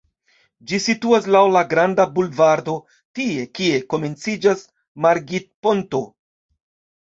Ĝi situas laŭ la "Granda Bulvardo" tie, kie komenciĝas Margit-ponto.